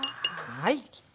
はい。